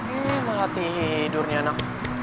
eh malah tidurnya nak